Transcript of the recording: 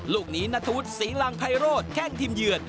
ลูกนี้นาทุษศีลังไพโรดแค่งทีมเหยือด